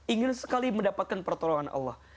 ingin sekali mendapatkan pertolongan allah